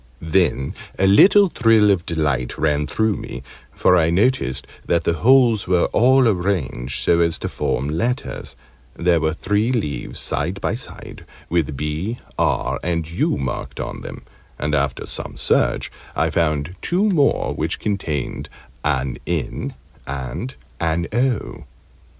Then a little thrill of delight ran through me for I noticed that the holes were all arranged so as to form letters; there were three leaves side by side, with "B," "R," and "U" marked on them, and after some search I found two more, which contained an "N" and an "O."